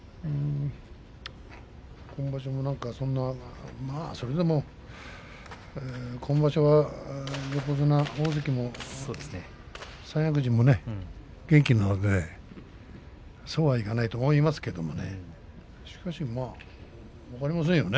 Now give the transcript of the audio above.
今場所も何かまあ、それでも今場所は横綱大関三役陣も元気なのでそうはいかないと思いますけどね。